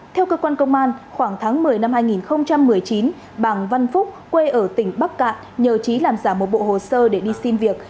theo cơ quan công an khoảng tháng một mươi năm hai nghìn một mươi chín bàng văn phúc quê ở tỉnh bắc cạn nhờ trí làm giả một bộ hồ sơ để đi xin việc